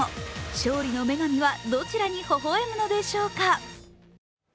勝利の女神はどちらにほほえむのでしょうか。